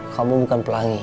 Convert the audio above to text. kamu bukan pelangi